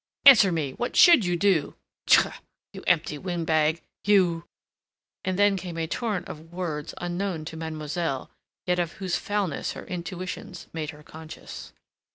"Answer me! What should you do? Tchah! You empty windbag! You...." And then came a torrent of words unknown to mademoiselle, yet of whose foulness her intuitions made her conscious.